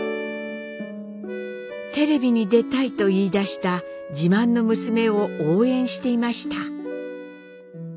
「テレビに出たい」と言いだした自慢の娘を応援していました。